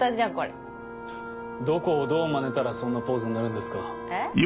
フッどこをどうまねたらそんなポーズになるんですか。